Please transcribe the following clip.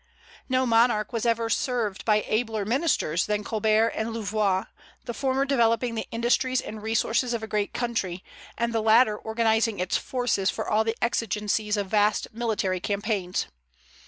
No monarch was ever served by abler ministers than Colbert and Louvois; the former developing the industries and resources of a great country, and the latter organizing its forces for all the exigencies of vast military campaigns.